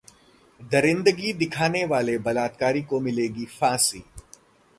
दरिंदगी दिखाने वाले बलात्कारी को मिलेगी फांसी